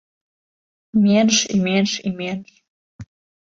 Менш, і менш, і менш.